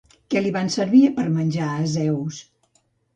Què li van servir per menjar a Zeus?